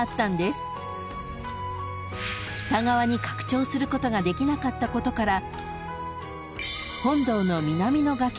［北側に拡張することができなかったことから］